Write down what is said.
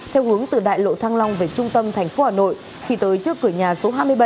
theo hướng từ đại lộ thăng long về trung tâm tp hcm khi tới trước cửa nhà số hai mươi bảy